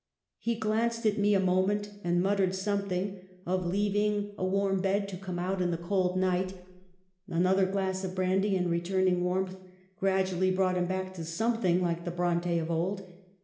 He glanced at me a mo ment, and muttered something of leaving a warm 294 EMILY BRONTE. bed to come out in the cold night. Another glass of brandy, and returning warmth gradually brought him back to something like the Bronte of old.